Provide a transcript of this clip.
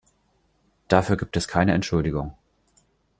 Dafür gibt es keine Entschuldigung.